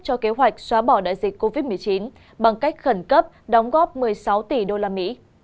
cho kế hoạch xóa bỏ đại dịch covid một mươi chín bằng cách khẩn cấp đóng góp một mươi sáu tỷ usd